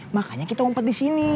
makanya kita umpat disini